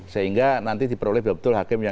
sehingga nanti diperoleh betul betul hakim